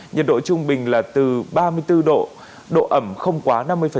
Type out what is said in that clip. nhiệt độ trung bình là từ ba mươi bốn độ độ ẩm không quá năm mươi